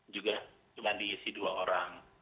juga cuma diisi dua orang